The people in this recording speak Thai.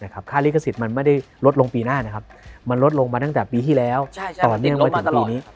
ค่าลิขสิทธิ์มันไม่ได้ลดลงปีหน้ามันลดลงมาตั้งแต่ปีที่แล้วต่อเนื่องไปถึงปีนี้